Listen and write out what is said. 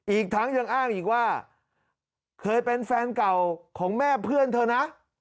อีกทั้งยังอ้างอีกว่าเคยเป็นแฟนเก่าของแม่เพื่อนเธอนะ